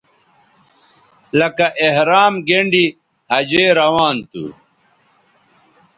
لکہ احرام گینڈی حجے روان تھو